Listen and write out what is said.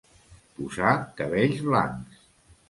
Posar cabells blancs.